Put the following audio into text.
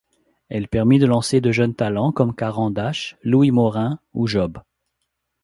Elle permit de lancer de jeunes talents comme Caran d’Ache, Louis Morin ou Job.